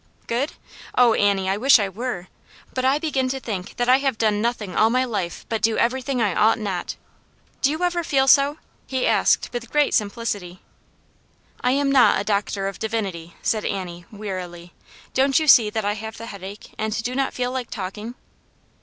Good ? Oh, Annie, I wish I were I But I begin to think that I have done nothing all my life but do everything I ought not. Did you ever feel so ?" he asked, with great simplicity. I am not a doctor of divinity," said Annie, wfearily. " Don't you see that I have the headache, and do not feel like talking